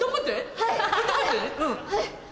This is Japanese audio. はい。